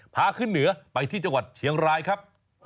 พาขึ้นเหนือไปที่จังหวัดเชียงรายครับ